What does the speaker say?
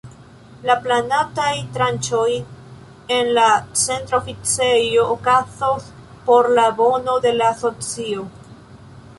La planataj tranĉoj en la Centra Oficejo okazos por la bono de la asocio.